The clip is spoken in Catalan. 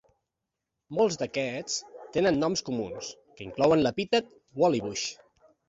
Molts d'aquests tenen noms comuns que inclouen l'epítet "woollybush".